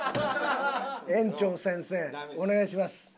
園長先生お願いします。